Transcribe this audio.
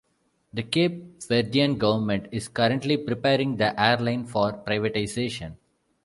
The Cape Verdean government is currently preparing the airline for privatization.